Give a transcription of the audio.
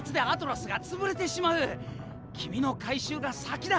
君の回収が先だ！